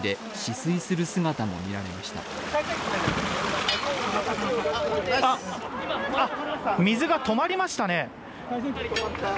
水が止まりましたね。